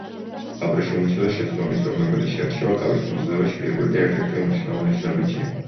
აბრეშუმისა და შესაბამისი ორნამენტის შერჩევა კაბის მომზადებაში პირველი და ერთ-ერთი უმნიშვნელოვანესი ნაბიჯია.